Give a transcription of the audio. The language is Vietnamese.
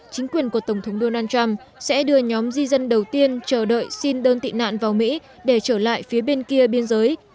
chính quyền của tổng thống donald trump sẽ đưa nhóm di dân đầu tiên chờ đợi xin đơn tị nạn vào mỹ để trở lại phía bên kia biên giới